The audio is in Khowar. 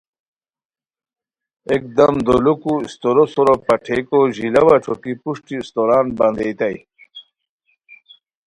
یکدم دولوکو استورو سورو پھاٹئیکو ژیلاوا ݯوکی پروشٹی استوران بندیتانی